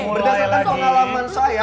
berdasarkan pengalaman saya